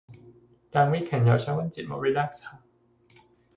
但 weekend 又想搵節目 relax 下